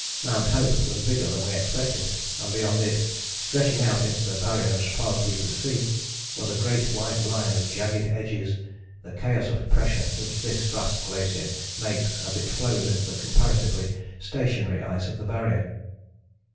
Mount Hope was bigger than we expected, and beyond it, stretching out into the Barrier as far as we could see, was a great white line of jagged edges, the chaos of pressure which this vast glacier makes as it flows into the comparatively stationary ice of the Barrier.